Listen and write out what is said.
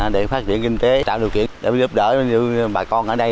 để phát triển kinh tế tạo điều kiện để giúp đỡ những bà con ở đây